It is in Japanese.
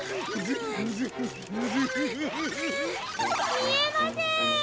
みえません！